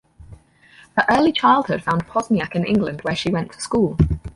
Her early childhood found Pozniak in England where she went to school.